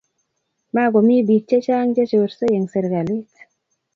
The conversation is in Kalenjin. Makomii biik chechang che chorse eng serikalit